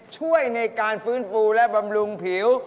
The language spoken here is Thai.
ช่วยในการฟื้นฟูและบำรุงผิว